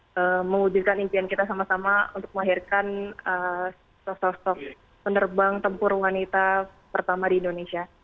dan mengujikan impian kita sama sama untuk mengakhirkan sosok sosok penerbang tempur wanita pertama di indonesia